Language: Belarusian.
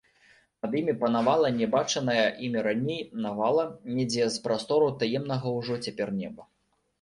Над імі панавала нябачаная імі раней навала недзе з прастору таемнага ўжо цяпер неба.